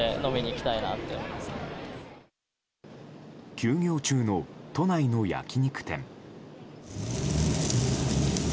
休業中の都内の焼き肉店。